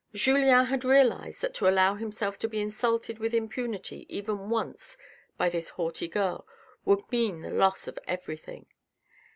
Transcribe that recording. " Julien had realised that to allow himself to be insulted with impunity even once by this haughty girl would mean the loss of everything.